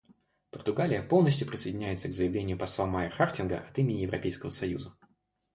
Португалия полностью присоединяется к заявлению посла Майр-Хартинга от имени Европейского союза.